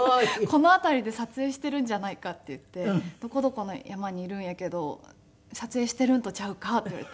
この辺りで撮影しているんじゃないかっていって「どこどこの山にいるんやけど撮影しているんとちゃうか？」って言われて。